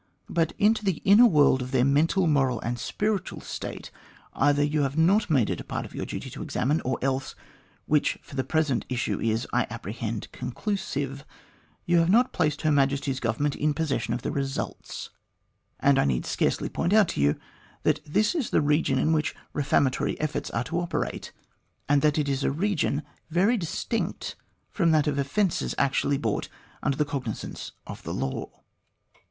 But into the inner world of their mental, moral, and spiritual state, either you have hot made it a part of your duty to examine, or else which for the present issue is, I apprehend, conclusive you have not placed Her Majesty's Government in possession of the results; and I need scarcely point out to you that this is the region in which reformatory efforts are to operate, and that it is a region very distinct from that of offences actually brought under the cognisance of the law."